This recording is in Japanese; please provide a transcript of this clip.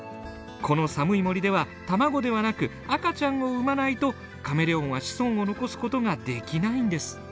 この寒い森では卵ではなく赤ちゃんを産まないとカメレオンは子孫を残すことができないんです。